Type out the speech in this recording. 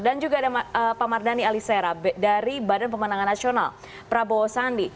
dan juga ada pak mardani alisera dari badan pemenangan nasional prabowo sandi